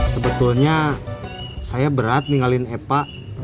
sebetulnya saya berat ninggalin epa